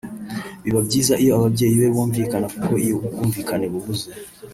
Biba byiza iyo ababyeyi be bumvikana kuko iyo ubwumvikane bubuze